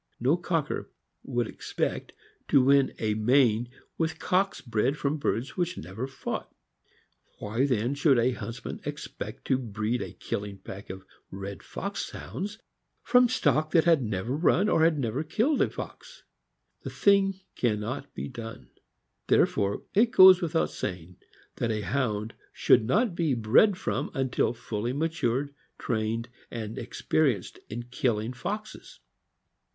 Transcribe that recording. No cocker would expect to win a main with cocks bred from birds which never fought. Why, then, should a huntsman expect to breed a killing pack of red fox Hounds from stock that had never run or never killed a fox? The thing can not be done. Therefore it goes without saying, that a Hound should not be bred from until fully matured, trained, and experienced in killing foxes.